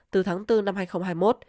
từ tháng bốn năm hai nghìn hai mươi một